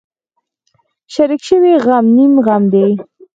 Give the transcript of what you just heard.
شریک شوی غم نیم غم دی.